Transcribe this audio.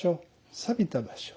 寂びた場所